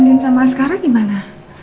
terus ini yang sama sekali gimana